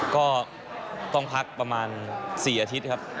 ก็ต้องพักประมาณ๔อาทิตย์ครับ